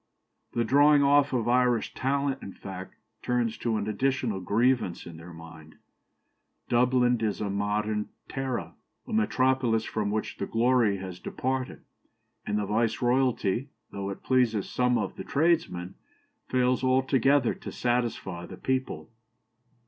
The drawing off of Irish talent, in fact, turns to an additional grievance in their minds. Dublin is a modern Tara, a metropolis from which the glory has departed; and the viceroyalty, though it pleases some of the tradesmen, fails altogether to satisfy the people.